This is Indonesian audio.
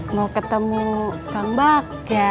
mau ketemu kang bagja